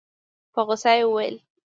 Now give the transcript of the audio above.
په غوسه يې وويل.